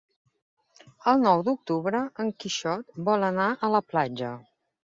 El nou d'octubre en Quixot vol anar a la platja.